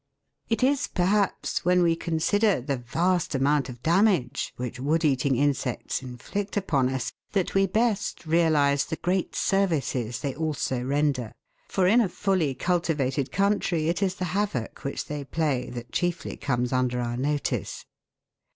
It is perhaps when we consider the vast amount ot damage which wood eating insects inflict upon us, that we best realise the great services they also render, for in a fully cultivated country it is the havoc which they play that chiefly comes under our notice.